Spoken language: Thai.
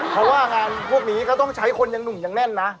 เพราะว่างานพวกนี้ก็ต้องใช้คนยังหนุ่มยังแน่นนะ